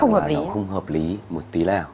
rõ ràng là nó không hợp lý một tí nào